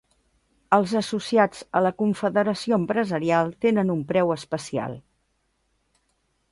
Els associats a la confederació empresarial tenen un preu especial.